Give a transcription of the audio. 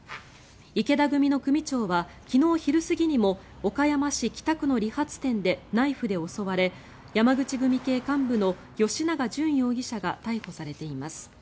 池田組の組長は昨日昼過ぎにも岡山市北区の理髪店でナイフで襲われ山口組系幹部の吉永淳容疑者が逮捕されています。